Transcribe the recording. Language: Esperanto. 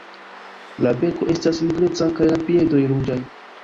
La beko estas nigreca kaj la piedoj ruĝaj.